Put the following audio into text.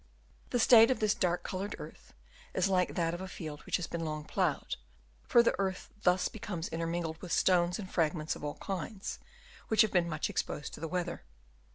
The state of this dark coloured earth is like that of a field which has long been ploughed, for the earth thus becomes intermingled with stones and fragments of all kinds which have been much exposed to the weather.